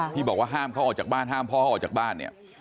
ที่บอกว่าห้ามพ่อเขาออกจากบ้าน